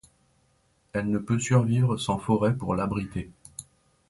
Elle ne peut survivre sans forêt pour l'abriter.